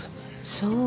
そう。